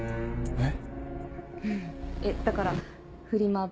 えっ。